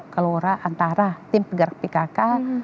kalaura antara tim penggerak pkk